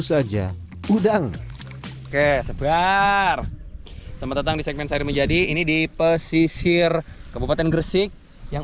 saja udang oke sebar selamat datang di segmen sehari menjadi ini di pesisir kabupaten gresik yang